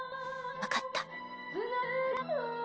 わかった。